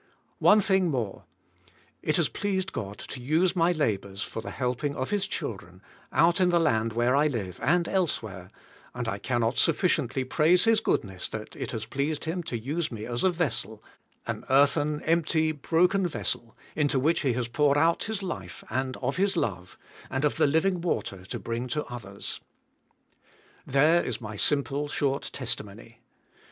One thing more. It has pleased God to use my labors for the helping of His children, out in the land where I live and elsewhere, and I cannot sufficiently praise His goodness that it has pleased Him to use me as a vessel, an earthen, empty, broken vessel, into which He has poured out His life and of His love, and of the living water to bring to others. There is my 216 I'HJS SPIRlTUAt I,IF^. simple, short testimony.